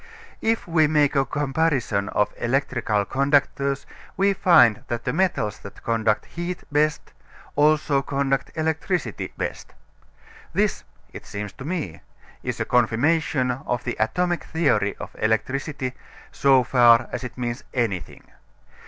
If we make a comparison of electric conductors we find that the metals that conduct heat best also conduct electricity best. This, it seems to me, is a confirmation of the atomic theory of electricity so far as it means anything.